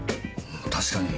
確かに。